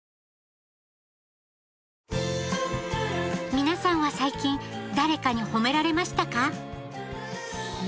皆さんは最近誰かに褒められましたか？